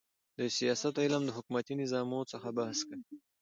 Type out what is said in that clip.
د سیاست علم د حکومتي نظامو څخه بحث کوي.